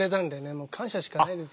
もう感謝しかないですよ。